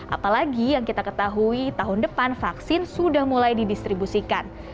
apalagi yang kita ketahui tahun depan vaksin sudah mulai didistribusikan